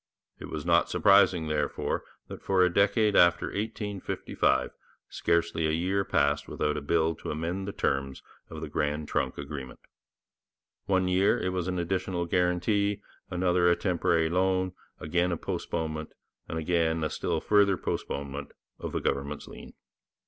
It was not surprising, therefore, that for a decade after 1855 scarcely a year passed without a bill to amend the terms of the Grand Trunk agreement. One year it was an additional guarantee, another a temporary loan, again a postponement, and again a still further postponement of the government's lien.